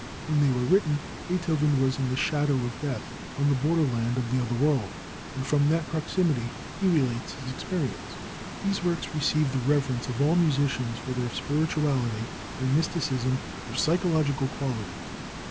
When they were written, Beethoven was in the shadow of death, on the border land of the other world, and from that proximity he relates his experience. These works receive the reverence of all musicians for their spirituality, their mysticism, their psychological qualities.